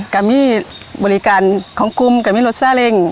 การมีบริการของกุมการมีรถสาเล็ง